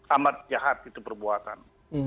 amat jahat itu perbuatan